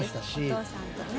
お父さんとね。